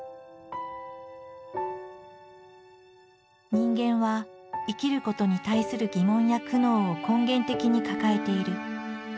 「人間は生きることに対する疑問や苦悩を根源的に抱えている」。